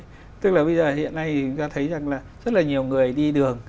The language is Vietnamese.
nhưng mà hiện nay chúng ta thấy rằng là rất là nhiều người đi đường